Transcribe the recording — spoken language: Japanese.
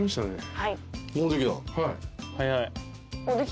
はい。